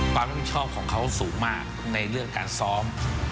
ปารับประชาวของคาสูงมากในเรื่องการซ้อม